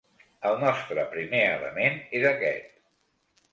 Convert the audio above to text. El nostre primer element és aquest.